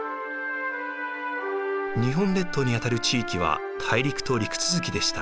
日本列島にあたる地域は大陸と陸続きでした。